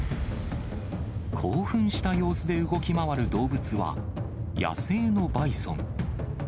興奮した様子で動き回る動物は、野生のバイソン。